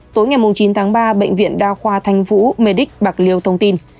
tối ngày chín tháng ba bệnh viện đa khoa thanh vũ medic bạc liêu thông tin